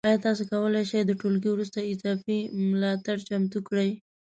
ایا تاسو کولی شئ د ټولګي وروسته اضافي ملاتړ چمتو کړئ؟